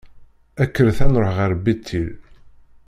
Kkret ad nṛuḥ ɣer Bitil.